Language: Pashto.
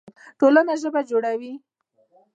ټولنه ژبه جوړوي.